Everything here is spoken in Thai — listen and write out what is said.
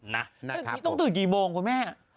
น่ะครับนี่ต้องตื่นกี่โมงคุณแม่